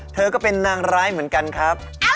เธอก็เป็นนางร้ายเหมือนกันครับ